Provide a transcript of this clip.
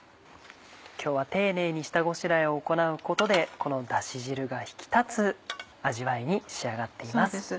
今日は丁寧に下ごしらえを行うことでこのダシ汁が引き立つ味わいに仕上がっています。